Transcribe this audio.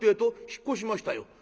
「引っ越しましたよ」。